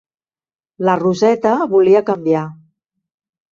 La Roseta volia canviar.